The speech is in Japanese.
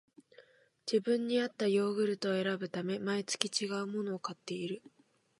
自分にあったヨーグルトを選ぶため、毎月ちがうものを買っている